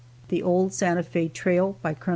_The Old Santa Fe Trail, by Col.